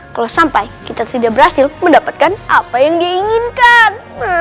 kalau sampai kita tidak berhasil mendapatkan apa yang dia inginkan